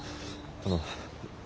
あの！